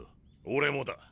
俺もだ。